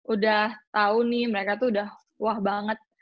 udah tahu nih mereka tuh udah wah banget